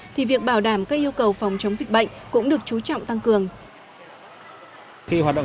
thì việc bảo đảm các yêu cầu phòng chống dịch bệnh cũng được chú trọng tăng cường